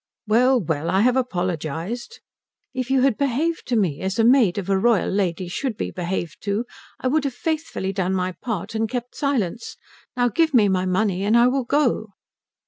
"Well, well, I have apologized." "If you had behaved to me as a maid of a royal lady should be behaved to, I would have faithfully done my part and kept silence. Now give me my money and I will go."